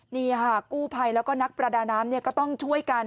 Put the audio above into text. นี่ค่ะกู้ภัยแล้วก็นักประดาน้ำก็ต้องช่วยกัน